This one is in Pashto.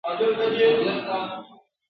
ما چي پېچومي د پامیر ستایلې٫